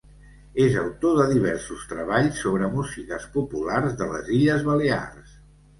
És autor de diversos treballs sobre músiques populars de les Illes Balears.